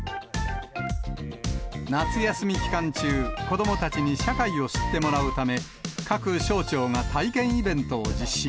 夏休み期間中、子どもたちに社会を知ってもらうため、各省庁が体験イベントを実施。